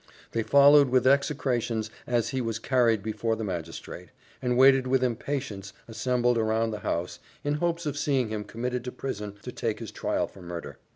They followed with execrations as he was carried before the magistrate; and waited with impatience, assembled round the house, in hopes of seeing him committed to prison to take his trial for murder.